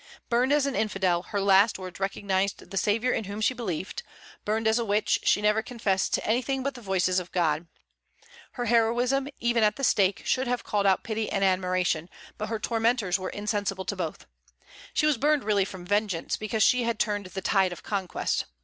Burned as an infidel, her last words recognized the Saviour in whom she believed; burned as a witch, she never confessed to anything but the voices of God. Her heroism, even at the stake, should have called out pity and admiration; but her tormentors were insensible to both. She was burned really from vengeance, because she had turned the tide of conquest.